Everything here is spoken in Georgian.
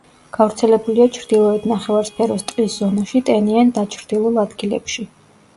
გავრცელებულია ჩრდილოეთ ნახევარსფეროს ტყის ზონაში ტენიან დაჩრდილულ ადგილებში.